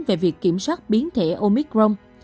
về việc kiểm soát biến thể omicron